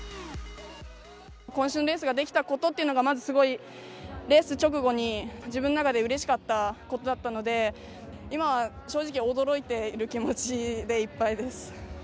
こん身のレースができたことっていうのが、まずすごいレース直後に、自分の中でうれしかったことだったので、今は正直、驚いている気持ちでいっぱいです。